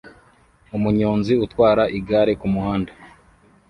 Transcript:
Umunyonzi utwara igare kumuhanda